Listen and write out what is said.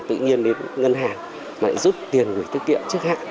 tự nhiên đến ngân hàng lại rút tiền gửi tiết kiệm trước hạn